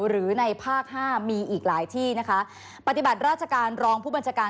หรือในภาคห้ามีอีกหลายที่นะคะปฏิบัติราชการรองผู้บัญชาการ